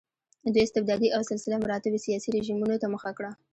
دوی استبدادي او سلسله مراتبي سیاسي رژیمونو ته مخه کړه.